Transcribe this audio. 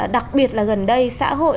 đặc biệt là gần đây xã hội